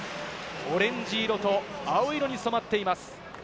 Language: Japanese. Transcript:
オレンジ色と青色に染まっています。